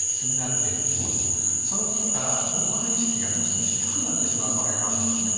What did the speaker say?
その事から防犯意識がどうしても低くなってしまう場合があるんですね。